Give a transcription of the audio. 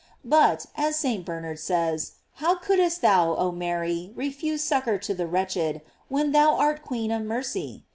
J But, as St. Bernard says, how couldst thou, oh Mary, refuse succor to the wretched, when thou art queen of mercy?